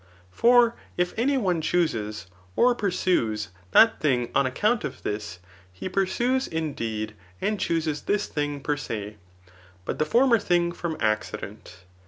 For if any one chooses, or pursues, that thing on account of this, he pursues, indeed, and chooses this thing per se / but the former thing from accident.